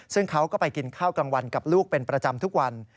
ซึ่งเขาก็ไปกินข้าวกลางวันกับลูกเป็นประจำทุกวัน